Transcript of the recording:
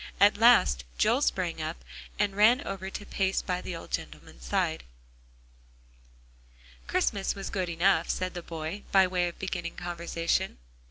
At last Joel sprang up and ran over to pace by the old gentleman's side. "Christmas was good enough," said the boy, by way of beginning conversation.